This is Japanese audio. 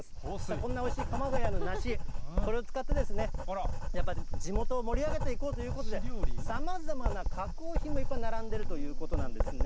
こんなおいしい鎌ケ谷の梨、これを使って、やっぱり地元を盛り上げていこうということで、さまざまな加工品がいっぱい並んでいるということなんですね。